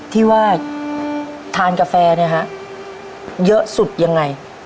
ที่ว่าทานกาแฟเนี่ยฮะเยอะสุดยังไง